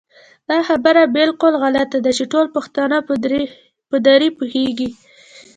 دا خبره بالکل غلطه ده چې ټول پښتانه په دري پوهېږي